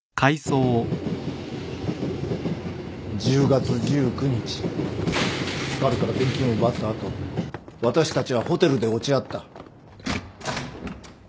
１０月１９日スカルから現金を奪った後私たちはホテルで落ち合った。